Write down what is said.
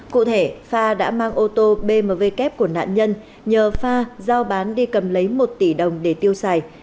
cụ thể pha đã mang ô tô bmw kép của nạn nhân nhờ pha giao bán đi cầm lấy một tỷ đồng để tiêu xài